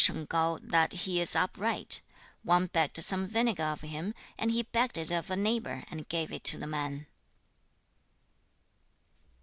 [三節]顏淵曰/願無 that he is upright? One begged some vinegar of him, and he begged it of a neighbor and gave it to the man.'